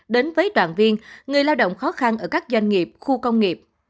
đến với đoàn viên người lao động khó khăn ở các doanh nghiệp khu công nghiệp